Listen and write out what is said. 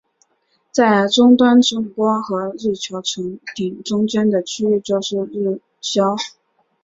在终端震波和日球层顶中间的区域就是日鞘。